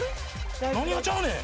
何がちゃうねん。